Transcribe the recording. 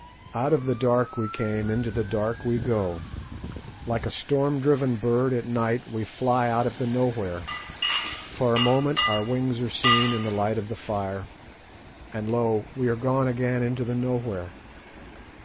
Out of the dark we came, into the dark we go. Like a storm driven bird at night we fly out of the Nowhere; for a moment our wings are seen in the light of the fire, and, lo! we are gone again into the Nowhere.